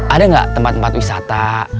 ada nggak tempat tempat wisata